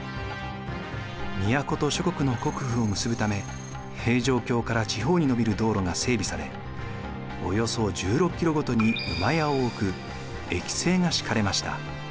都と諸国の国府を結ぶため平城京から地方に延びる道路が整備されおよそ１６キロごとに駅家を置く駅制が敷かれました。